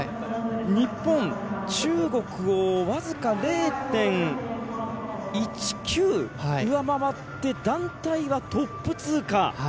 日本、中国を僅か０．１９上回って団体はトップ通過。